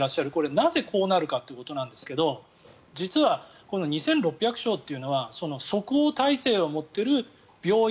なぜ、こうなるかということですが実は２６００床というのは即応態勢を持っている病院